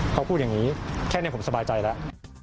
เขาพูดอย่างนี้แค่นี้ผมสบายใจแล้ว